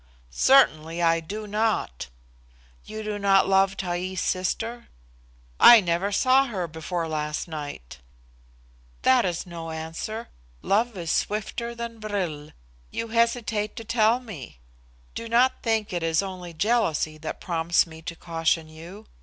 "Certainly, I do not." "You do not love Taee's sister?" "I never saw her before last night." "That is no answer. Love is swifter than vril. You hesitate to tell me. Do not think it is only jealousy that prompts me to caution you.